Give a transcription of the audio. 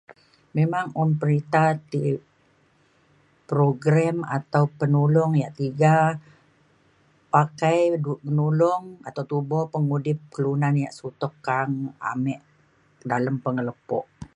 Memang un perita ti program atau penulong ya' tiga pakai nulong atau tubo pengudip kelunan ya' sutok ka'ang amik dalem pengelepuk.